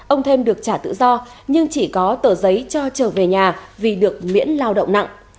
ông thêm được trả tự do nhưng chỉ có tờ giấy cho trở về nhà vì được miễn lao động nặng